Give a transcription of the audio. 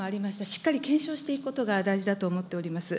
しっかり検証していくことが大事だと思っております。